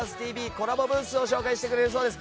コラボブースを紹介してくれるそうです。